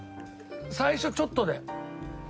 最初ちょっとで。